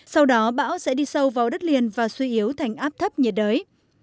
sau đó bão sẽ đi sâu vào đất liền và suy yếu thành áp thấp nhiệt đới